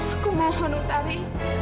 aku mohon utari